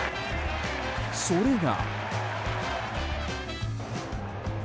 それが。